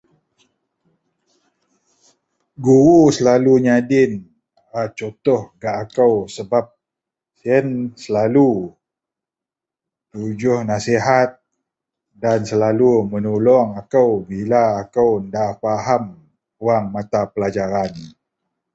guru selalu nyadin a contoh gak akou sebab ien selalu pejuah nasihat dan selalu menolong akou bila akou da faham wak mata pelajaran